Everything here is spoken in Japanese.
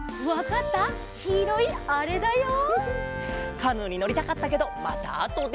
カヌーにのりたかったけどまたあとで。